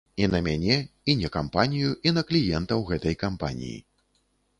І на мяне, і не кампанію, і на кліентаў гэтай кампаніі.